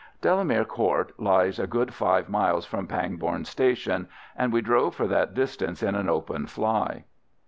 Delamere Court lies a good five miles from Pangbourne Station, and we drove for that distance in an open fly.